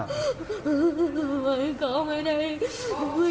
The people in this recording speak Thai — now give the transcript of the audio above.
ทำไมพ่อไม่มาเปิดหัวหนูหนูเลย